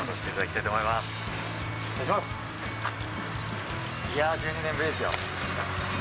いやー、１２年ぶりですよ。